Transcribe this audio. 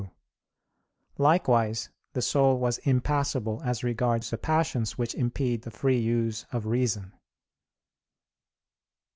2); likewise the soul was impassible as regards the passions which impede the free use of reason.